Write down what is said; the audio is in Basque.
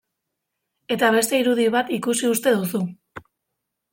Eta beste irudi bat ikusi uste duzu...